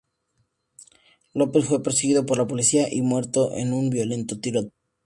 López fue perseguido por la policía y muerto en un violento tiroteo.